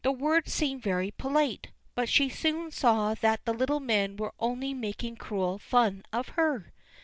The words seemed very polite, but she soon saw that the little men were only making cruel fun of her.